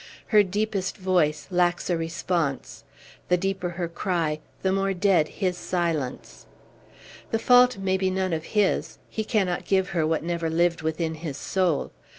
Her deepest voice lacks a response; the deeper her cry, the more dead his silence. The fault may be none of his; he cannot give her what never lived within his soul.